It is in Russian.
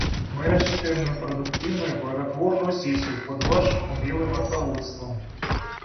Мы рассчитываем на продуктивную и плодотворную сессию под вашим умелым руководством.